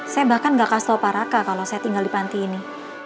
saya bahkan gak kasih tau paraka kalau saya tinggal di panti ini